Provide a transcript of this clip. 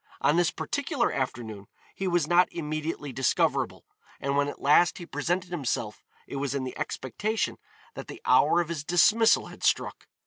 On this particular afternoon he was not immediately discoverable, and when at last he presented himself it was in the expectation that the hour of his dismissal had struck.